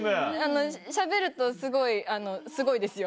しゃべるとあのすごいですよ。